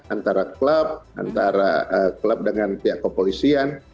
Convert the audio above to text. antara klub antara klub dengan pihak kepolisian